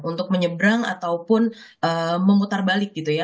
untuk menyebrang ataupun memutar balik gitu ya